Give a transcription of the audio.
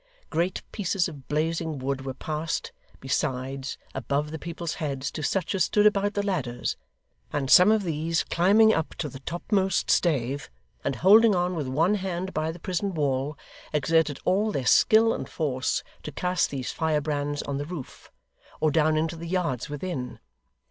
Great pieces of blazing wood were passed, besides, above the people's heads to such as stood about the ladders, and some of these, climbing up to the topmost stave, and holding on with one hand by the prison wall, exerted all their skill and force to cast these fire brands on the roof, or down into the yards within.